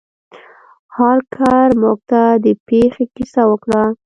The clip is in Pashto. هارکر موږ ته د پیښې کیسه وکړه.